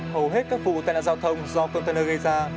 hầu hết các vụ tai nạn giao thông do container gây ra